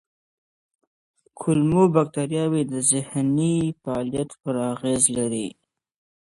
کولمو بکتریاوې د ذهني فعالیت پر اغېز لري.